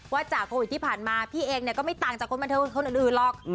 จากโควิดที่ผ่านมาพี่เองก็ไม่ต่างจากคนบันเทิงคนอื่นหรอก